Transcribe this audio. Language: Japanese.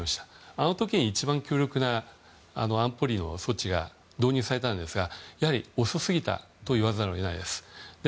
あの時、一番強力な安保理の措置が導入されたのですがやはり遅すぎたと言わざるを得ないです。